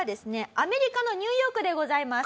アメリカのニューヨークでございます。